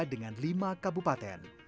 dengan lima kabupaten